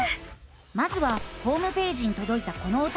まずはホームページにとどいたこのおたよりから。